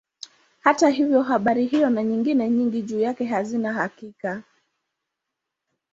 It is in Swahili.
Hata hivyo habari hiyo na nyingine nyingi juu yake hazina hakika.